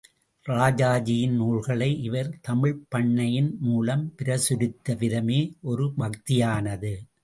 ராஜாஜியின் நூல்களை இவர் தமிழ்ப் பண்ணையின் மூலம் பிரசுரித்த விதமே ஒரு பக்தியானது.